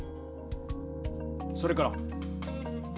それから？